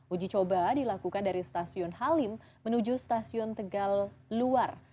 uji coba dilakukan dari stasiun halim menuju stasiun tegal luar